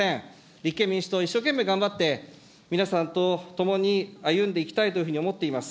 立憲民主党、一生懸命頑張って皆さんと共に歩んでいきたいというふうに思っています。